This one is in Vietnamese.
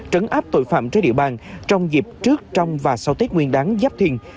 trấn áp tội phạm trên địa bàn trong dịp trước trong và sau tết nguyên đáng giáp thiền